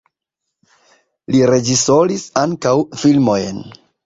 Li reĝisoris ankaŭ filmojn.